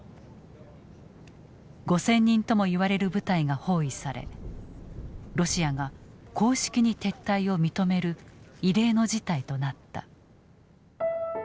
５，０００人ともいわれる部隊が包囲されロシアが公式に撤退を認める異例の事態となった。